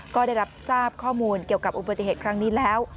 ก็ได้รับทราบข้อมูลเกี่ยวกับอุบัติเหตุครั้งนี้แล้ว